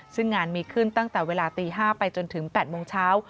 ซึ่งงานมีขึ้นตั้งแต่เวลาตี๕ไปจนถึง๘โมงเช้า